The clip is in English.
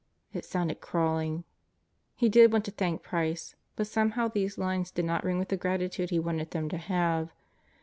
It sounded crawling. He did want to thank Price, but somehow these lines did not ring with the gratitude he wanted them to have.